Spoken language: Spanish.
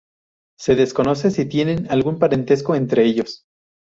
Se desconoce si tienen algún parentesco entre ellos.